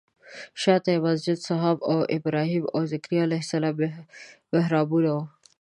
شاته یې مسجد صحابه او د ابراهیم او ذکریا علیه السلام محرابونه وو.